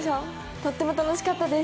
とっても楽しかったです。